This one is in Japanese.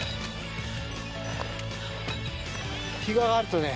日が上がるとね